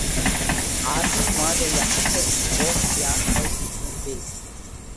Аҭаҳмада иаҳаҭыр бо диазҵааит Нырбеи.